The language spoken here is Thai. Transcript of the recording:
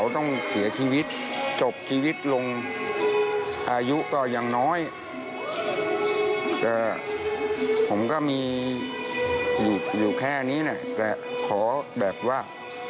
ตอนนี้จะขอแบบว่า